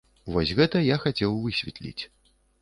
Вось гэта я хацеў высветліць.